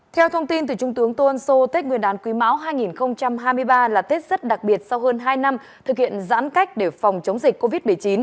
theo thông tin từ trung tướng tôn sô tết nguyên đán quý máu hai nghìn hai mươi ba là tết rất đặc biệt sau hơn hai năm thực hiện giãn cách để phòng chống dịch covid một mươi chín